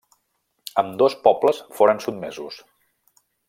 Ambdós pobles foren sotmesos.